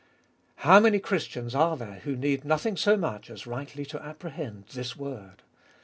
How many Christians are there who need nothing so much as rightly to apprehend this word.